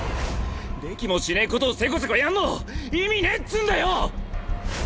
できもしねぇことをせこせこやんのを意味ねぇっつぅんだよ！